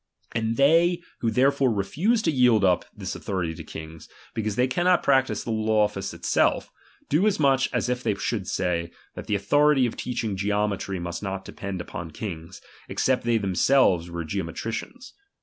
And they who therefore refuse to yield up this authority to kings, because they cannot practice the office itself, do as much as if they should say, that the authority of teaching geome try must not depend upon kings, except they themselves were geometricians.